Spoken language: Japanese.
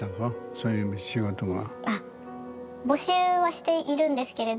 そういう仕事が。